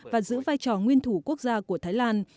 và giữ vai trò nguyên thủ quốc gia của thái lan